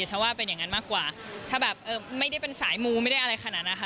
ฉันว่าเป็นอย่างนั้นมากกว่าถ้าแบบไม่ได้เป็นสายมูไม่ได้อะไรขนาดนั้นนะคะ